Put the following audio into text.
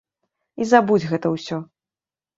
І забудзь гэта ўсё.